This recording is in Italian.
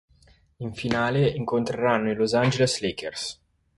In finale incontreranno i Los Angeles Lakers.